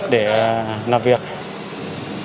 để làm việc